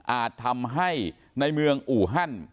อาจทำให้ในเมืองอูฮัน